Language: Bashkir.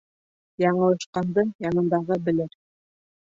Яңылышҡанды янындағы белер.